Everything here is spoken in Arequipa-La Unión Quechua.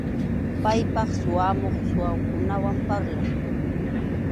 Paypaq suwamuq, suwakunawan parlan.